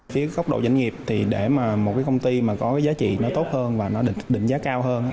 phía góc độ doanh nghiệp để một công ty có giá trị tốt hơn và định giá cao hơn